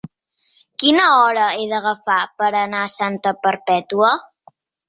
Quina hora he d'agafar per anar a Santa Perpètua?